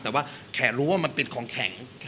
แต่ว่าแขนรู้ว่ามันเป็นของแข็ง